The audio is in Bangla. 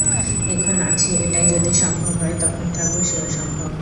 এখন আছি এটাই যদি সম্ভব হয়, তখন থাকব সেও সম্ভব।